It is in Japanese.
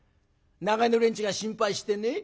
長屋の連中が心配してね。